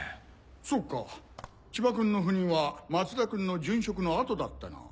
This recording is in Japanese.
そうか千葉君の赴任は松田君の殉職の後だったな。